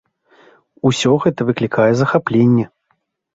Усё гэта выклікае захапленне!